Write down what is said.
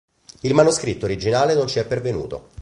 Il manoscritto originale non ci è pervenuto.